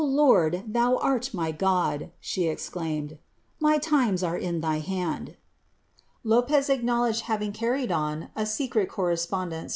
0 Lord, thou art my Giid,'" she exclaimed, •■ mv limi: are tn ihy hand.'" Liipez acknowledged having carried on a secret correspondence wi